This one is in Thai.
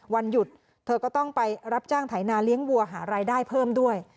วันหยุดเธอก็ต้องไปรับจ้างไถนาเลี้ยงวัวหารายได้เพิ่มด้วย